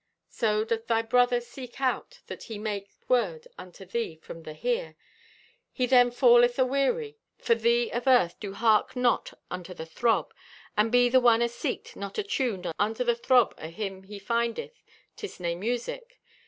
So, doth thy brother seek out that he make word unto thee from the Here, he then falleth aweary. For thee of Earth do hark not unto the throb. And be the one aseeked not attuned unto the throb o' him he findeth, 'tis nay music.